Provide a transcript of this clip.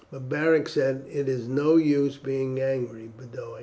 But Beric said, "It is no use being angry, Boduoc.